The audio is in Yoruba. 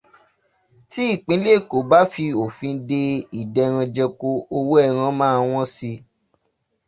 Tí ìpínlẹ̀ Èkó bá fi òfin de ìdẹranjẹko, owó ẹran máa wọ́n síi